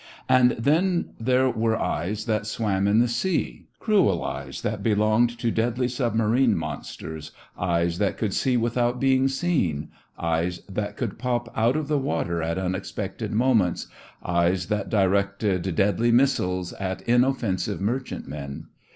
And then there were eyes that swam in the sea cruel eyes that belonged to deadly submarine monsters, eyes that could see without being seen, eyes that could pop up out of the water at unexpected moments, eyes that directed deadly missiles at inoffensive merchantmen.